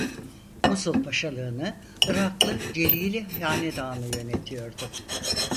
Musul paşalığını Iraklı Celili Hanedanı yönetiyordu.